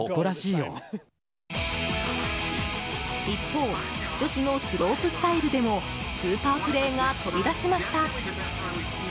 一方女子のスロープスタイルでもスーパープレーが飛び出しました。